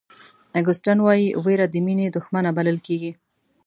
اګوستین وایي وېره د مینې دښمنه بلل کېږي.